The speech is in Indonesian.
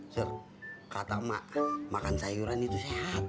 sur kata emak makan sayuran itu sehat